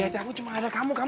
sayang jangan jangan jangan